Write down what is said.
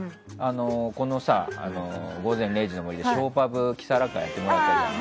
この「午前０時の森」でショーパブのキサラ会やってもらったじゃん。